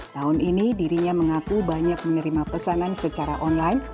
tahun ini dirinya mengaku banyak menerima pesanan secara online